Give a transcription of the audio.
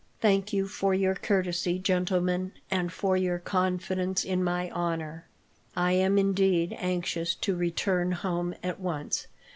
"Thank you for your courtesy, gentlemen, and for your confidence in my honour. I am, indeed, anxious to return home at once.